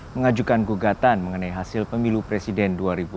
mengajukan gugatan mengenai hasil pemilu presiden dua ribu dua puluh